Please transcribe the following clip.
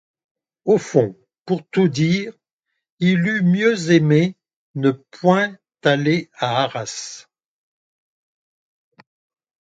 Au fond, pour tout dire, il eût mieux aimé ne point aller à Arras.